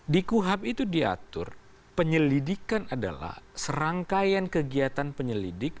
di kuhap itu diatur penyelidikan adalah serangkaian kegiatan penyelidik